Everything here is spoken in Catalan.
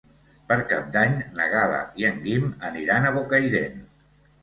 Per Cap d'Any na Gal·la i en Guim aniran a Bocairent.